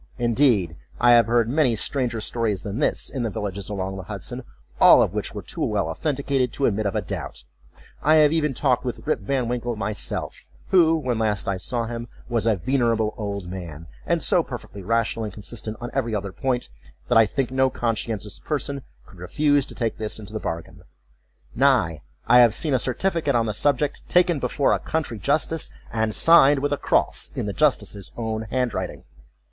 Indeed, I have heard many stranger stories than this, in the villages along the Hudson; all of which were too well authenticated to admit of a doubt. I have even talked with Rip Van Winkle myself who, when last I saw him, was a very venerable old man, and so perfectly rational and consistent on every other point, that I think no conscientious person could refuse to take this into the bargain; nay, I have seen a certificate on the subject taken before a country justice and signed with a cross, in the justice's own handwriting.